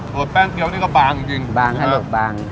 ส่วนแป้งเกี้ยวนี่ก็บางจริงบางครับลูกบาง